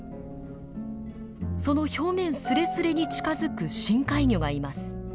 その表面すれすれに近づく深海魚がいます。